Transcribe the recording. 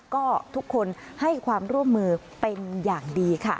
ก็ทุกคนให้ความร่วมมือเป็นอย่างดีค่ะ